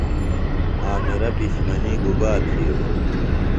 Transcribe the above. عامرہ پِشمنی گُبا تِھیلوۡ؟